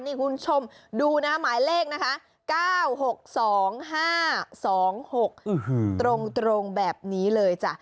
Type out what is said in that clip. นี่คุณผู้ชมดูนะหมายเลขนะคะ๙๖๒๕๒๖ตรงแบบนี้เลยจ้ะ